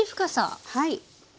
はい。